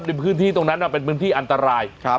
ในพื้นที่ตรงนั้นเป็นพื้นที่อันตราย